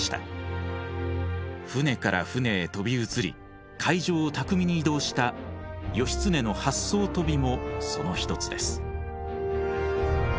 舟から舟へ飛び移り海上を巧みに移動した義経の八艘飛びもその一つです。